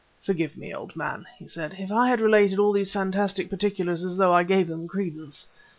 "Forgive me, old man," he said, "if I have related all these fantastic particulars as though I gave them credence.